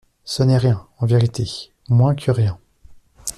Ce n'est rien, en vérité, moins que rien!